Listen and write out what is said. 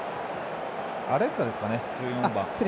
アレンザですかね、１４番。